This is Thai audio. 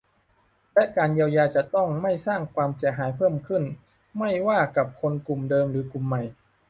และการเยียวยาจะต้องไม่สร้างความเสียหายเพิ่มขึ้น ไม่ว่ากับคนกลุ่มเดิมหรือกลุ่มใหม่